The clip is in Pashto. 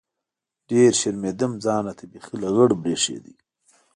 ډېر شرمېدم ځان راته بيخي لغړ بريښېده.